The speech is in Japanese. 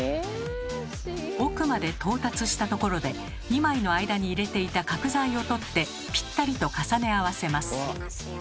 奥まで到達したところで２枚の間に入れていた角材を取ってぴったりと重ね合わせます。